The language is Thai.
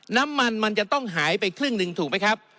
น้ำมันมันจะต้องหายไปครึ่งหนึ่งถูกไหมครับ